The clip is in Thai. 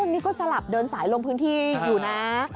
นี้ก็นอดเนื้อถึงเรื่องพื้นที่นะ